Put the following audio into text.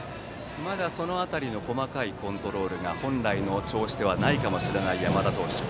その辺りの細かいコントロールが本来の調子ではないかもしれない山田投手。